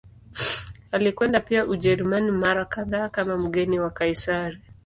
Alikwenda pia Ujerumani mara kadhaa kama mgeni wa Kaisari.